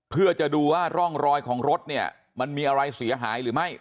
เพื่อจะดูว่าร่องรอยของรถเนี่ยมันมีอะไรเสียหายหรือไม่